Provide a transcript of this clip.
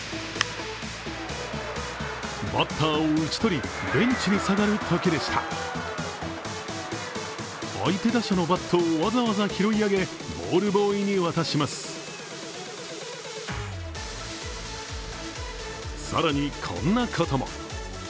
バッターを打ち取り、ベンチに下がるときでした相手打者のバットを、わざわざ拾い上げ、ボールボーイに渡します更に、こんなことも。